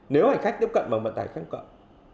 nếu hành khách tiếp cận bằng vận tài khách cộng